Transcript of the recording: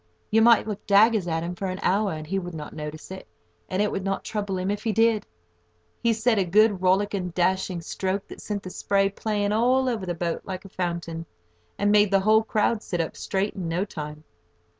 You might look daggers at him for an hour and he would not notice it, and it would not trouble him if he did. He set a good, rollicking, dashing stroke that sent the spray playing all over the boat like a fountain, and made the whole crowd sit up straight in no time.